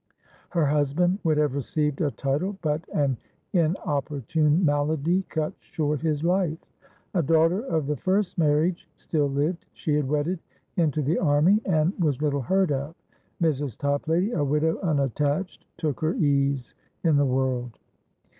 Her husband would have received a title, but an inopportune malady cut short his life. A daughter of the first marriage still lived; she had wedded into the army, and was little heard of. Mrs. Toplady, a widow unattached, took her ease in the world.